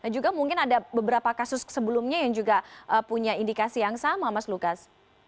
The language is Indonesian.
juga mungkin ada beberapa kasus sebelumnya yang juga punya indikasi yang sama mas lukas